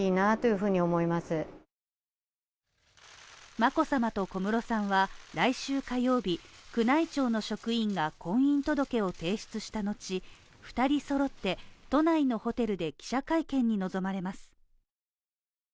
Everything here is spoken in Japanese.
眞子さまと小室さんは来週火曜日、宮内庁の職員が婚姻届を提出したのち２人揃って都内のホテルで記者会見に臨まれます。